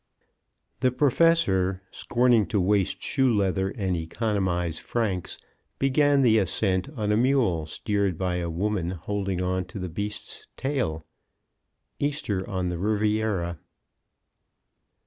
The Professor, scorning to waste shoe leather and economize francs, began the ascent on a mule steered by a woman holding on to the beast's tail. _Easter on the Riviera.